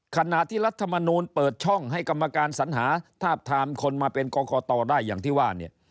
ขณะที่รัฐมนูลเปิดช่องให้กรรมการสัญหาทาบทามคนมาเป็นกรกตได้อย่างที่ว่าเนี่ย